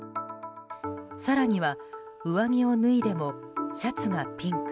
更には上着を脱いでもシャツがピンク。